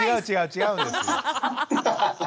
違うんですよ。